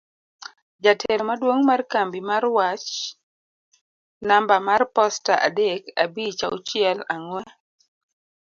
Jatelo Maduong' mar Kambi mar Wach namba mar posta adek abich auchiel ang'we